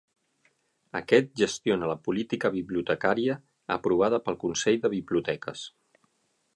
Aquest gestiona la política bibliotecària aprovada pel Consell de Biblioteques.